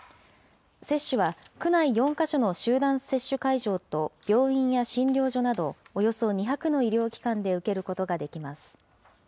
接種は区内４か所の集団接種会場と病院や診療所などおよそ２００の医療機関で受けることができます。